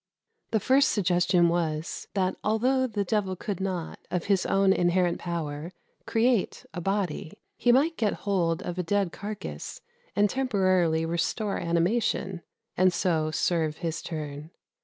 The first suggestion was, that although the devil could not, of his own inherent power, create a body, he might get hold of a dead carcase and temporarily restore animation, and so serve his turn.